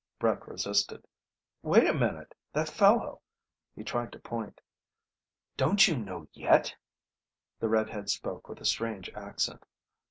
Brett resisted. "Wait a minute. That fellow ..." He tried to point. "Don't you know yet?" The red head spoke with a strange accent.